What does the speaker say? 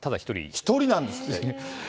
一人なんですって。